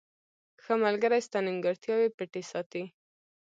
• ښه ملګری ستا نیمګړتیاوې پټې ساتي.